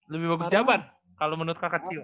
lebih bagus jabar kalau menurut kak cio